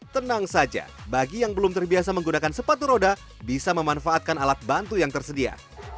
tenang saja bagi yang belum terbiasa menggunakan sepatu roda bisa memanfaatkan alat bantu yang tersedia